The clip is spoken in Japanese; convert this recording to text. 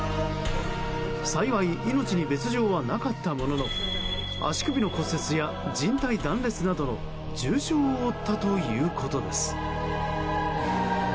幸い、命に別条はなかったものの足首の骨折やじん帯断裂などの重傷を負ったということです。